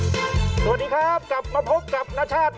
สวัสดีครับกลับมาพบกับนชาติ